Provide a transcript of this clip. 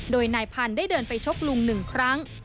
โดยนายพันธุ์ได้เดินไปชกลุง๑ครั้ง